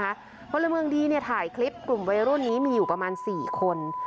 พลเมืองดีเนี่ยถ่ายคลิปกลุ่มวัยรุ่นนี้มีอยู่ประมาณ๔คน